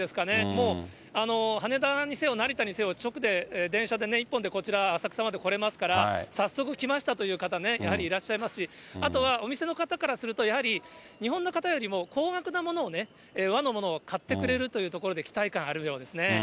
もう羽田にせよ、成田にせよ、直で電車で一本でこちら、浅草まで来れますから、早速来ましたという方ね、やはりいらっしゃいますし、あとは、お店の方からすると、やはり日本の方よりも高額なものをね、和のものを買ってくれるというとこで期待感あるようですね。